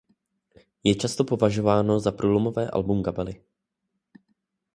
Je často považováno za průlomové album kapely.